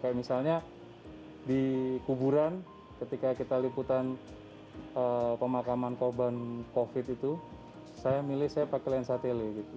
kayak misalnya di kuburan ketika kita liputan pemakaman korban covid itu saya milih saya pakai lensa tele gitu